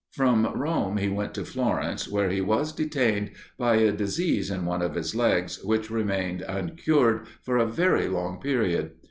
From Rome he went to Florence, where he was detained by a disease in one of his legs, which remained uncured for a very long period.